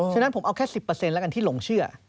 ฉะนั้นผมเอาแค่๑๐แล้วกันที่หลงเชื่อ